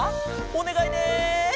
おねがいね！